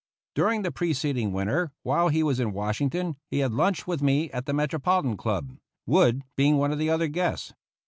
During the preceding winter, while he was in Washington, he had lunched with me at the Metropolitan Club, Wood being one of the other guests.